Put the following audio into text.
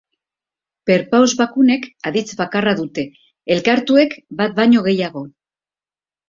Perpaus bakunek aditz bakarra dute; elkartuek bat baino gehiago.